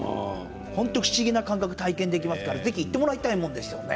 本当に不思議な感覚体験ができますからぜひ行ってもらいたいもんですよね。